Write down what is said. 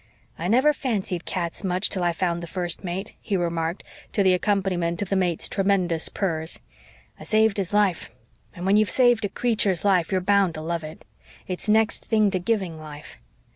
"I never fancied cats much till I found the First Mate," he remarked, to the accompaniment of the Mate's tremendous purrs. "I saved his life, and when you've saved a creature's life you're bound to love it. It's next thing to giving life.